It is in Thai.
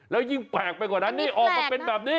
แล้วยิ่งแปลกไปกว่านั้นนี่ออกมาเป็นแบบนี้